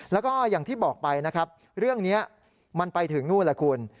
แล้วก็อย่างที่บอกไปนะครับเรื่องนี้มันไปถึงนู่นแหละคุณ